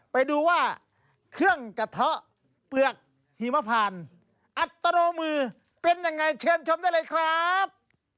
ไปดูว่าเครื่องกระเทาะเปลือกหิมพานอัตโนมือเป็นยังไงเชิญชมได้เลยครับ